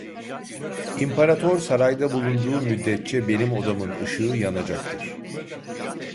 İmparator sarayda bulunduğu müddetçe benim odamın ışığı yanacaktır.